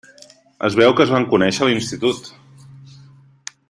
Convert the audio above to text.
Es veu que es van conèixer a l'institut.